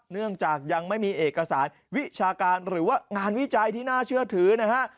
เนื่องจากยังไม่มีเอกสารวิชาการหรือว่างานวิจัยที่น่าเชื่อถือนะฮะ